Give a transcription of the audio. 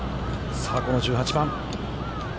さあこの１８番。